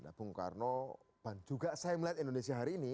nah bung karno dan juga saya melihat indonesia hari ini